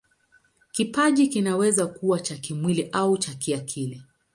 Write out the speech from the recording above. Kipaji kinaweza kuwa cha kimwili au cha kiakili.